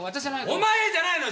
お前じゃないのよ！